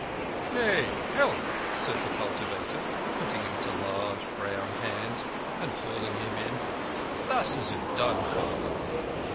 "Nay, help," said the cultivator, putting out a large brown hand and hauling him in. "Thus is it done, father."